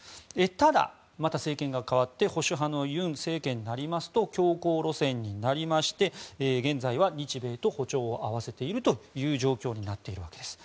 ただ、また政権が代わって保守派の尹政権となりますと強硬路線になりまして現在は日米と歩調を合わせている状況になっているわけです。